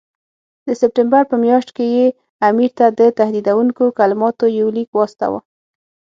د سپټمبر په میاشت کې یې امیر ته د تهدیدوونکو کلماتو یو لیک واستاوه.